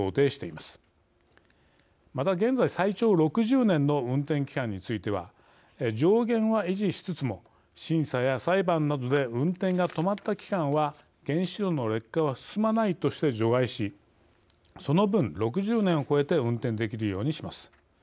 また、現在最長６０年の運転期間については上限は維持しつつも審査や裁判などで運転が止まった期間は原子炉の劣化は進まないとして除外しその分、６０年を超えて運転できるようにします。